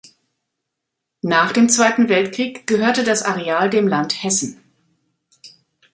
Nach dem Zweiten Weltkrieg gehörte das Areal dem Land Hessen.